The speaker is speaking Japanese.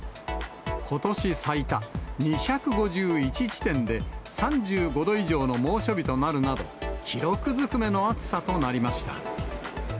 ことし最多２５１地点で、３５度以上の猛暑日となるなど、記録ずくめの暑さとなりました。